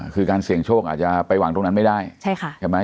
คือการเสี่ยงโชคอาจจะไปหวังตรงนั้นไม่ได้ใช่ค่ะใช่ไหม